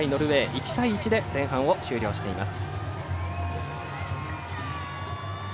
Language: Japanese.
１対１で、前半終了しています。